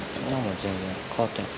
全然変わってない。